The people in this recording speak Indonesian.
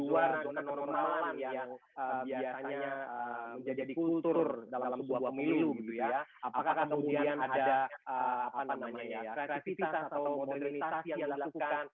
apakah ada kemungkinan normalan yang biasanya menjadi kultur dalam dua ribu dua puluh gitu ya apakah kemudian ada kreativitas atau modernisasi yang dilakukan